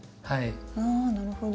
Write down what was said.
あなるほど。